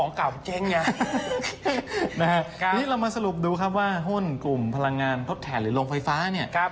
นี่เรามาสรุปดูว่าหุ้นกลุ่มพลังงานทดแทนหรือโรงไฟฟ้า